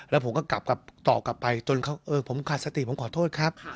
แล้วผมก็กลับต่อกลับไปจนเขาเออผมขาดสติผมขอโทษครับ